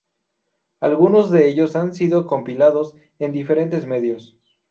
Algunos de ellos han sido compilados en diferentes medios.